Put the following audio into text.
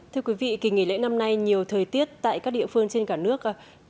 thưa quý vị kỳ nghỉ lễ năm nay nhiều thời tiết tại các địa phương trên cả nước